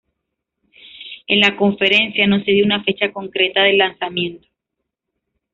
En la conferencia no se dio una fecha concreta del lanzamiento.